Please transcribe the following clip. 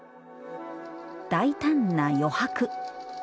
大胆な余白。